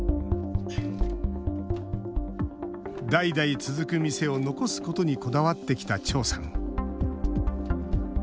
代々続く店を残すことにこだわってきた趙さん。